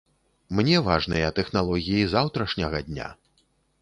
Мне важныя тэхналогіі заўтрашняга дня.